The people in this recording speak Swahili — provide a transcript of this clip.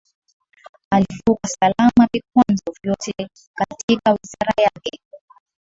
Alivuka salama vikwanzo vyote katika wizara yake